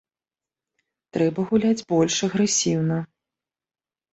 Трэба гуляць больш агрэсіўна.